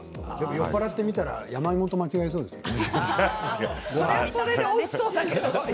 酔っぱらっていたら山芋と間違えそうだよね。